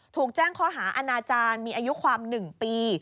ถูกแจ้งข้อหาอาณาจารย์มีอายุความ๑ปี